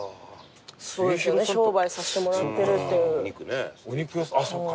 そうですよね商売させてもらってるっていう。